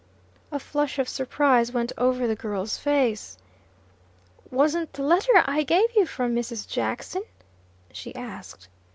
A flush of surprise went over the girl's face. "Wasn't the letter I gave you from Mrs. Jackson?" she asked.